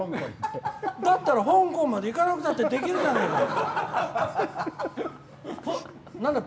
だったら香港まで行かなくたってできるじゃないか！